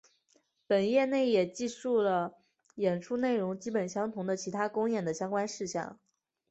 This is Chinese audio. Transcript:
本页内也记述了演出内容基本相同的其他公演的相关事项。